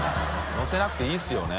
乗せなくていいですよね。